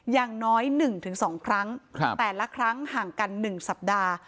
อย่างน้อย๑๒ครั้งแต่ละครั้งห่างกัน๑สัปดาห์